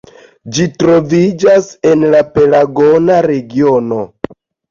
Ĝi troviĝas en la Pelagona regiono.